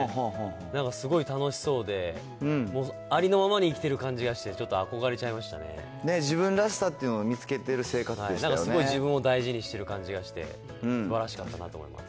なんかすごい楽しそうで、ありのままに生きている感じがして、ち自分らしさっていうのを見つなんかすごい自分を大事にしてる感じがして、すばらしかったなと思います。